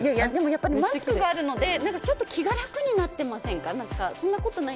やっぱりマスクがあるので気が楽になってませんか？